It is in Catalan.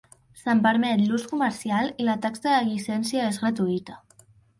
Se'n permet l'ús comercial i la taxa de llicència és gratuïta.